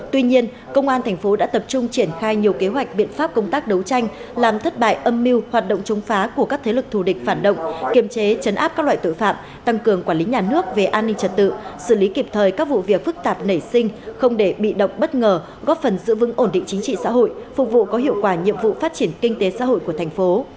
tuy nhiên công an thành phố đã tập trung triển khai nhiều kế hoạch biện pháp công tác đấu tranh làm thất bại âm mưu hoạt động chống phá của các thế lực thù địch phản động kiềm chế chấn áp các loại tội phạm tăng cường quản lý nhà nước về an ninh trật tự xử lý kịp thời các vụ việc phức tạp nảy sinh không để bị động bất ngờ góp phần giữ vững ổn định chính trị xã hội phục vụ có hiệu quả nhiệm vụ phát triển kinh tế xã hội của thành phố